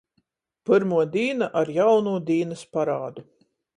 Pyrmuo dīna ar jaunū dīnys parādu.